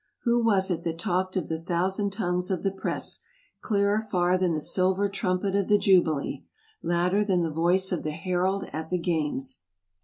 Who was it that talked of the thousand tongues of the press, clearer far than the silver trumpet of the jubilee — louder than the voice of the herald at the games